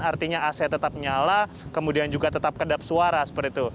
artinya ac tetap nyala kemudian juga tetap kedap suara seperti itu